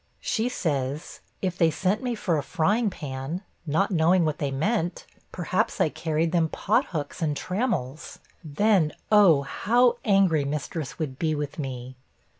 She says, 'If they sent me for a frying pan, not knowing what they meant, perhaps I carried them pot hooks and trammels. Then, oh! how angry mistress would be with me!'